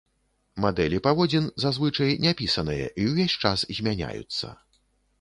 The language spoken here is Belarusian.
Мадэлі паводзін, зазвычай, няпісаныя і ўвесь час змяняюцца.